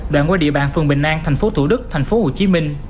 đoạn qua địa bàn phường bình an tp thủ đức tp hcm